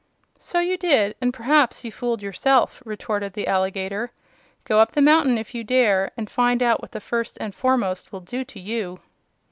"So you did; and perhaps you fooled yourself," retorted the alligator. "Go up the mountain, if you dare, and find out what the First and Foremost will do to you!"